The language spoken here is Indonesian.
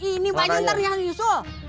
ini baju ntar yang yusuf